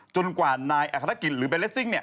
กว่านายอัครกิจหรือเบนเลสซิ่ง